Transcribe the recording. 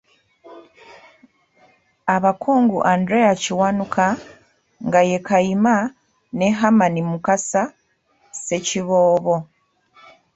Abakungu Anderea Kiwanuka, nga ye Kayima, ne Ham Mukasa, Ssekiboobo.